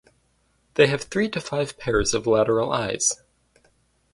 They have three to five pairs of lateral eyes.